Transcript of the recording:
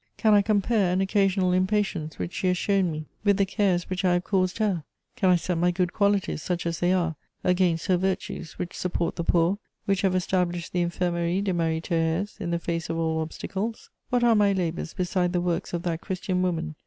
Can I compare an occasional impatience which she has shown me with the cares which I have caused her? Can I set my good qualities, such as they are, against her virtues, which support the poor, which have established the Infirmerie de Marie Thérèse in the face of all obstacles? What are my labours beside the works of that Christian woman?